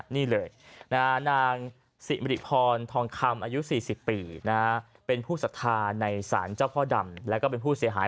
นี่เลยนางสิริพรทองคำอายุ๔๐ปีเป็นผู้สัทธาในศาลเจ้าพ่อดำแล้วก็เป็นผู้เสียหาย